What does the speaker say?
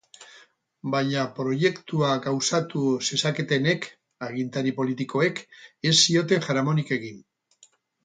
Baina proiektua gauzatu zezaketenek, agintari politikoek, ez zioten jaramonik egin.